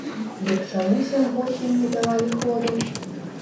Дык чаму сем год ім не давалі ходу?